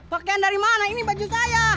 pakaian dari mana ini baju saya